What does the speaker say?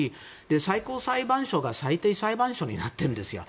最高裁判所が最低裁判所になっているんですよ。